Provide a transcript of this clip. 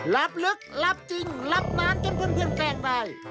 ลึกลับจริงรับนานจนเพื่อนแป้งได้